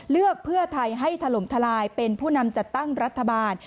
เลือกเพื่อไทยให้ถล่มทลายเป็นผู้นำจัดตั้งรัฐบาล